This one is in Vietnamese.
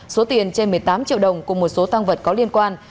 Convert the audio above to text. số tiền trên một mươi tám triệu đồng cùng một số tăng vật có liên quan